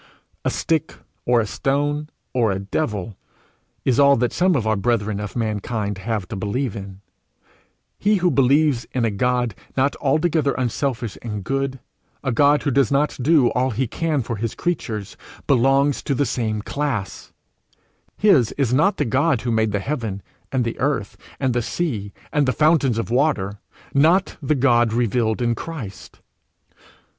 A stick, or a stone, or a devil, is all that some of our brethren of mankind have to believe in: he who believes in a God not altogether unselfish and good, a God who does not do all he can for his creatures, belongs to the same class; his is not the God who made the heaven and the earth and the sea and the fountains of water not the God revealed in Christ.